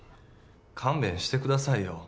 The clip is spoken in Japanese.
勘弁してくださいよ